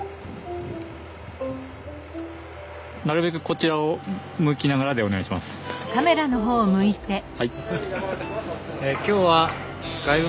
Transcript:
なるべくこちらを向きながらでお願いします。